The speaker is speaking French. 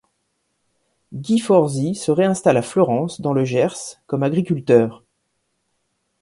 Guy Forzy se réinstalle à Fleurance dans le Gers comme agriculteur.